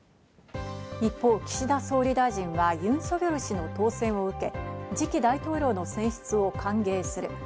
岸田総理大臣はユン・ソギョル氏の当選を受け、次期大統領の選出を歓迎する。